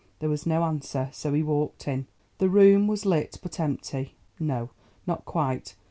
There was no answer, so he walked in. The room was lit but empty—no, not quite!